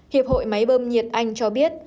hiệp hội máy bơm nhiệt anh cho biết